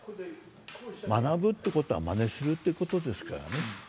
学ぶってことはまねするってことですからね。